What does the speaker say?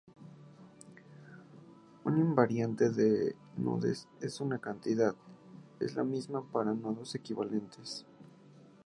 Un invariante de nudos es una "cantidad" que es la misma para nodos equivalentes.